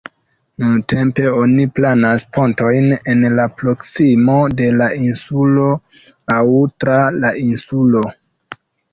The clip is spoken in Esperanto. Nuntempe oni planas pontojn en la proksimo de la insulo aŭ tra la insulo.